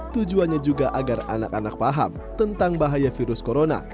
tujuannya juga agar anak anak paham tentang bahaya virus corona